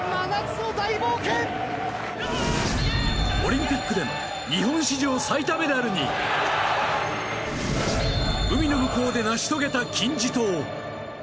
オリンピックで日本史上最多メダルに海の向こうで成し遂げた金字塔。